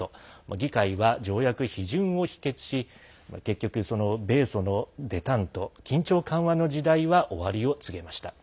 議会は条約批准を否決し結局、米ソのデタント＝緊張緩和の時代は終わりを告げました。